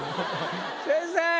先生！